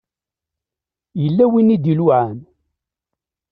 Yella win i d-iluɛan.